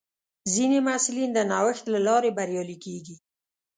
ځینې محصلین د نوښت له لارې بریالي کېږي.